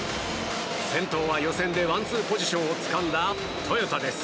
先頭は予選でワンツーポジションをつかんだトヨタです。